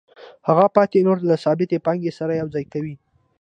هغه پاتې نوره له ثابتې پانګې سره یوځای کوي